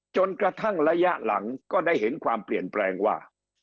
จนกระทั่งระยะหลังก็ได้เห็นความเปลี่ยนแปลงว่า